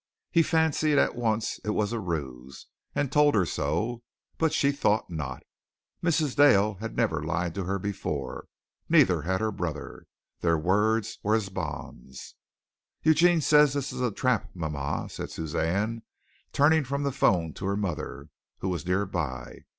He fancied at once it was a ruse, and told her so, but she thought not. Mrs. Dale had never lied to her before, neither had her brother. Their words were as bonds. "Eugene says this is a trap, mama," said Suzanne, turning from the phone to her mother, who was near by.